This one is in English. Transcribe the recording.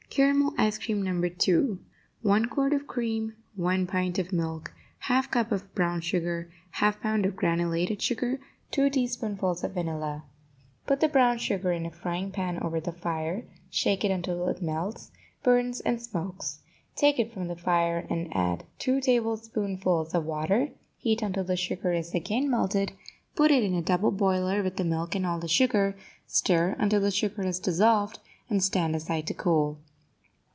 CARAMEL ICE CREAM, No. 2 1 quart of cream 1 pint of milk 1/2 cupful of brown sugar 1/2 pound of granulated sugar 2 teaspoonfuls of vanilla Put the brown sugar in a frying pan over the fire, shake it until it melts, burns and smokes. Take it from the fire and add two tablespoonfuls of water; heat until the sugar is again melted, put it in a double boiler with the milk and all the sugar, stir until the sugar is dissolved, and stand aside to cool.